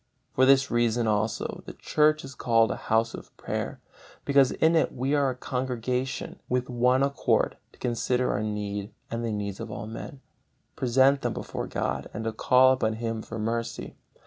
For this reason also the Church is called a House of Prayer, because in it we are as a congregation with one accord to consider our need and the needs of all men, present them before God, and call upon Him for mercy.